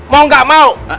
mau nggak mau